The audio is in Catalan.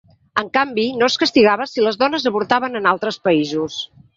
En canvi, no es castigava si les dones avortaven en altres països.